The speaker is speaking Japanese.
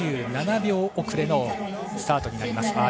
２７秒遅れのスタートになります。